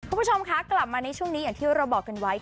คุณผู้ชมคะกลับมาในช่วงนี้อย่างที่เราบอกกันไว้